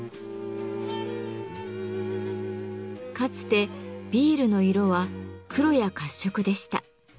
かつてビールの色は黒や褐色でした。